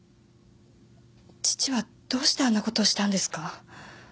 父はどうしてあんなことをしたんですか？